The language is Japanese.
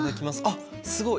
あっすごい！